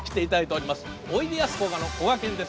おいでやすこがのこがけんです。